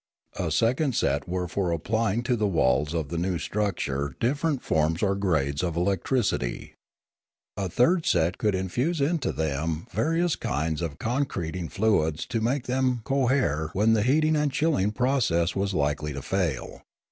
A second set were for applying to the walls of the new structure different forms or grades of electricity. A Oolorefa 167 third set could infuse into them various kinds of con creting fluids to make them cohere when the heating and chilling process was likely to fail.